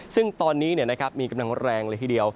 ซึ่งตอนนี้เนี่ยนะครับมีกำลังแรงเลยทีเดียว